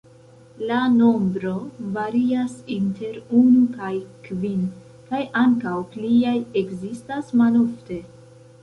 La nombro varias inter unu kaj kvin kaj ankaŭ pliaj ekzistas malofte.